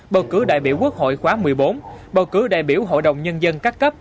bầu cử đại biểu quốc hội khóa một mươi bốn bầu cử đại biểu hội đồng nhân dân các cấp